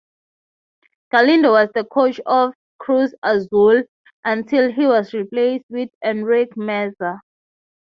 Galindo was the coach of Cruz Azul until he was replaced with Enrique Meza.